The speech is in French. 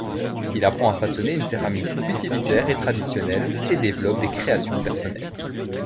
Il apprend à façonner une céramique utilitaire et traditionnelle et développe des créations personnelles.